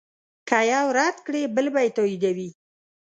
که یو رد کړې بل به یې تاییدوي.